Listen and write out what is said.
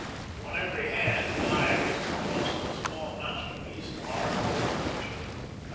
On every hand the eye rested upon some small masterpiece of art or workmanship.